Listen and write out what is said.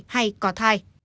hay có thai